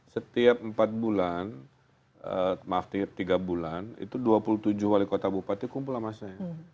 setiap empat bulan maaf tiga bulan itu dua puluh tujuh wali kota bupati kumpul sama saya